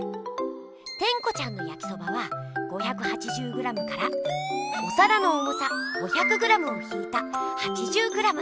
テンコちゃんのやきそばは５８０ｇからお皿の重さ５００ｇを引いた８０ｇ。